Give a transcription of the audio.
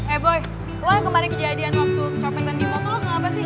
eh boy lo yang kemarin kejadian waktu carpentern di motor lo kenapa sih